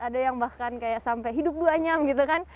ada yang bahkan kayak sampai hidup duanyam gitu kan